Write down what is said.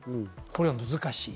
これは難しい。